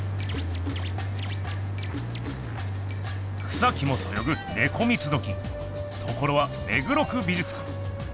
草木もそよぐネコ三つどきところは目黒区美術館。